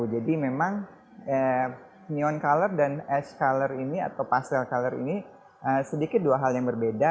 jadi memang neon color dan ash color ini atau pastel color ini sedikit dua hal yang berbeda